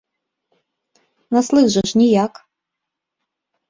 На слых жа ж ніяк.